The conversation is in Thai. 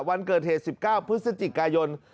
วันเกิดเหตุ๑๙พฤศจิกายน